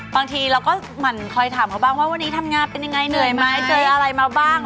บางทีเราก็เหมือนคอยถามเขาบ้างว่าวันนี้ทำงานเป็นยังไงเหนื่อยไหมเจออะไรมาบ้าง